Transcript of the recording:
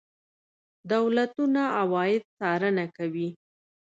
دولتونه عواید څارنه کوي.